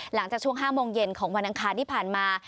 หลังจากช่วง๕โมงเย็นของวันอังคารที่ผ่านมา